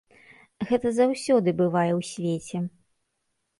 Гэта заўсёды бывае ў свеце.